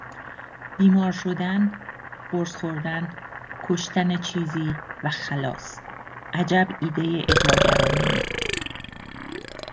بیمار شدن، قرص خوردن، کشتن چیزی و خلاص. عجب ایده اغواگرانهای!